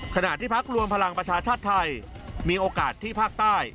ขณะที่พักรวมพลังประชาชาติไทยมีโอกาสที่ภาคใต้